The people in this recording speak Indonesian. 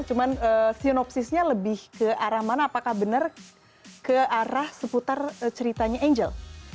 cuman sionopsisnya lebih ke arah mana apakah benar ke arah seputar ceritanya angel